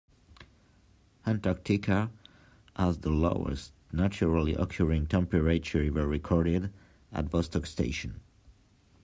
Antarctica has the lowest naturally occurring temperature ever recorded: at Vostok Station.